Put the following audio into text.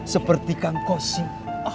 seperti kang kosim